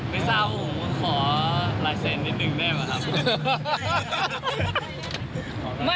ไม่เศร้าโหขอหลายแสนนิดนึงได้ไหมครับ